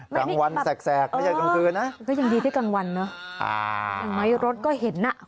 กลางวันแสกไม่ใช่กลางคืนนะ